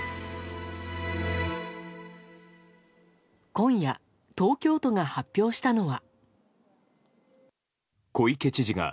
今夜、東京都が発表したのは。